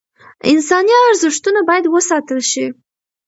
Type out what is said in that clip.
انساني ارزښتونه باید وساتل شي.